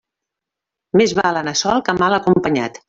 Més val anar sol que mal acompanyat.